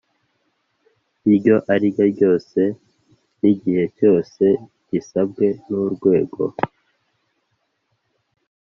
iryo ari ryo ryose n igihe cyose risabwe n Urwego